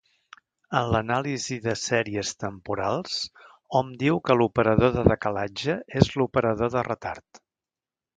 En l'anàlisi de sèries temporals, hom diu que l'operador de decalatge és l'operador de retard.